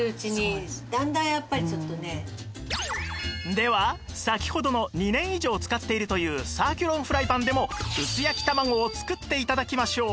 では先ほどの２年以上使っているというサーキュロンフライパンでも薄焼き卵を作って頂きましょう